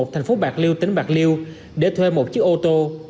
thành phố bạc liêu tỉnh bạc liêu để thuê một chiếc ô tô